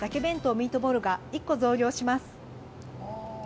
ミートボールが１個増量します。